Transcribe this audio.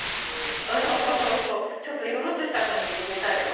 そうそうちょっとゆるっとした感じで言えたよ。